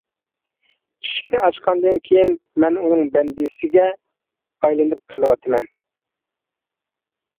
ئىشىكنى ئاچقاندىن كېيىن مەن ئۇنىڭ بەندىسىگە ئايلىنىپ قېلىۋاتىمەن.